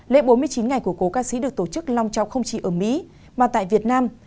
lễ bốn mươi chín ngày của cố ca sĩ được tổ chức long trọng không chỉ ở mỹ mà tại việt nam